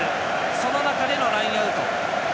その中でのラインアウト。